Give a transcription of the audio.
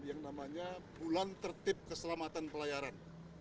yang namanya bulan tertib keselamatan pelayaran